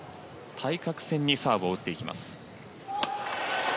対角線にサーブを打っていきます。